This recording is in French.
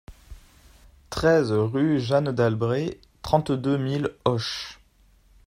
treize rue Jeanne d'Albret, trente-deux mille Auch